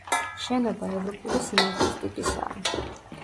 შენობა ევროპული სიმაგრის ტიპისაა.